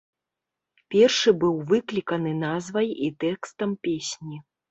Першы быў выкліканы назвай і тэкстам песні.